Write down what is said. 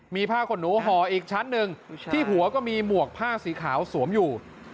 มีผ้าขนหนูห่ออีกชั้นหนึ่งที่หัวก็มีหมวกผ้าสีขาวสวมอยู่